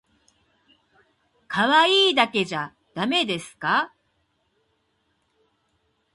かわいいだけじゃだめですか？